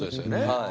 はい。